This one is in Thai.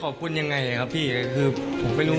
ขอบคุณยังไงนะครับพี่คือผมไม่รู้